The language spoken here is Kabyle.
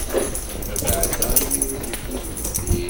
Abeɛda imi, ur yelli d uffir.